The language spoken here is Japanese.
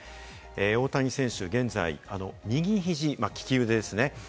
大谷選手、現在、右肘、利き腕ですね。